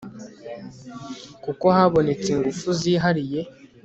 kuko habonetse ingufu zihariye